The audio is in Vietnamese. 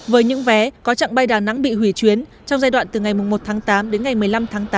với những vé có chặng bay đà nẵng bị hủy chuyến trong giai đoạn từ ngày một tháng tám đến ngày một mươi năm tháng tám năm hai nghìn hai mươi